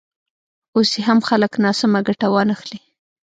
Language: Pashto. اوس یې هم خلک ناسمه ګټه وانخلي.